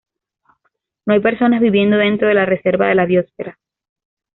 No hay personas viviendo dentro de la reserva de la biosfera.